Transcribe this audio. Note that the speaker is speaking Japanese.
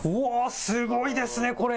すごいですね、これ。